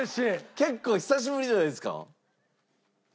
結構久しぶりじゃないですか？